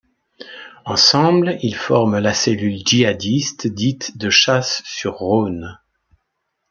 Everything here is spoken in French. Ensemble, il forment la cellule djihadiste dite de Chasse-sur-Rhône.